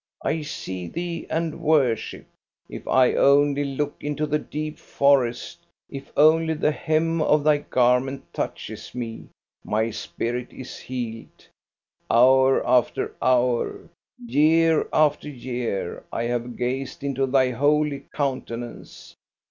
I see thee and worship. If I only look into the deep forest, if only the hem of thy garment touches me, my spirit is healed. Hour after hour, year after year, I have gazed into thy holy counte nance.